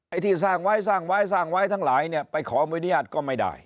ที่สร้างไว้สร้างไว้สร้างไว้ทั้งหลายเนี่ยไปขออนุญาตก็ไม่ได้